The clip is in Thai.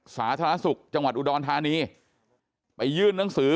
สาธารณสุขจังหวัดอุดรธานีไปยื่นหนังสือ